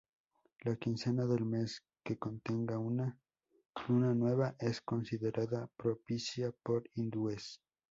La quincena del mes que contenga una "Luna Nueva" es considerada propicia por hindúes.